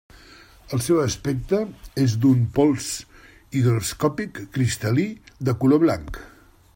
El seu aspecte és d'un pols higroscòpic cristal·lí de color blanc.